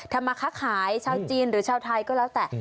ทำมาค้าขายชาวจีนหรือชาวไทยก็แล้วแต่